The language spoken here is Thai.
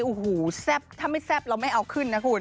โอ้โหแซ่บถ้าไม่แซ่บเราไม่เอาขึ้นนะคุณ